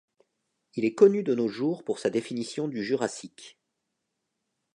Il est connu de nos jours pour sa définition du Jurassique.